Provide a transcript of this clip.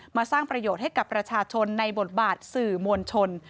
มาสร้างประโยชน์ให้กับประชาชนในบทบาทสื่อมวลชน